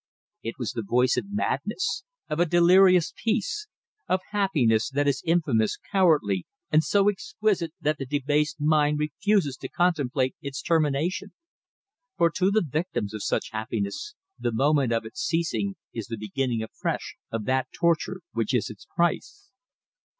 It was the voice of madness, of a delirious peace, of happiness that is infamous, cowardly, and so exquisite that the debased mind refuses to contemplate its termination: for to the victims of such happiness the moment of its ceasing is the beginning afresh of that torture which is its price.